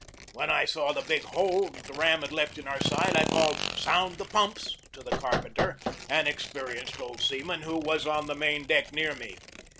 When I saw the big hole that the ram had left in our side I called, "Sound the pumps!" to the carpenter, an experienced old sea man, who was on the main deck near me.